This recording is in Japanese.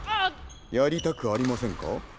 やりたくありませんか？